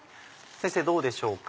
先生どうでしょうか？